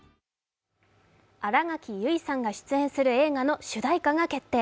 新垣結衣さんが出演する映画の主題歌が決定。